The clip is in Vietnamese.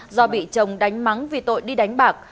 do bị chồng đánh mắng vì tội đi đánh bạc